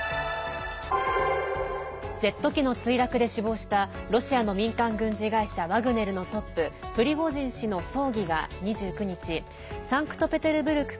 ジェット機の墜落で死亡したロシアの民間軍事会社ワグネルのトップ、プリゴジン氏の葬儀が２９日サンクトペテルブルク